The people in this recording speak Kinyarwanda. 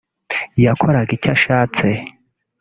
yakoraga icyo ashatse